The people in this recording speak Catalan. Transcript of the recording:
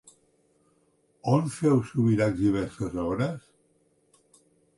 On feu Subirachs diverses obres?